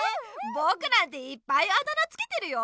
ぼくなんていっぱいあだ名つけてるよ。